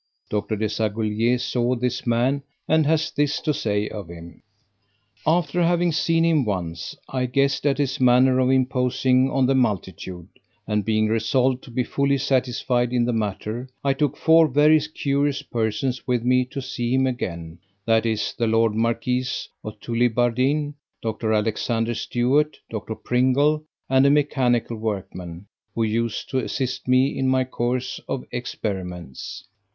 Dr. Desaguliers saw this man and has this to say of him: After having seen him once, I guessed at his manner of imposing on the multitude; and being resolved to be fully satisfied in the matter, I took four very curious persons with me to see him again, viz. the Lord Marquis of Tullibardine, Dr. Alexander Stuart, Dr. Pringle, and a mechanical workman, who used to assist me in my courses of experiments.